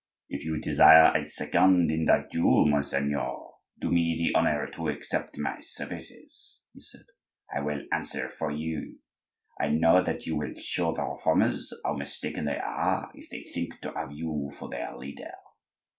"If you desire a second in that duel, monseigneur, do me the honor to accept my services," he said. "I will answer for you; I know that you will show the Reformers how mistaken they are if they think to have you for their leader."